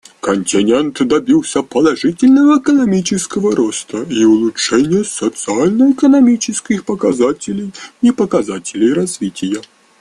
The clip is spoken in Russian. Континент добился положительного экономического роста и улучшения социально-экономических показателей и показателей развития.